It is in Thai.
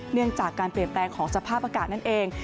เนื่องจากการเปลี่ยนแปลงของสภาพอากาศนั่นเอง